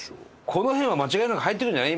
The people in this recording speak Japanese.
この辺は間違いなく入ってるんじゃない？